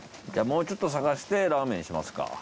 もうちょっと探してラーメンにしますか。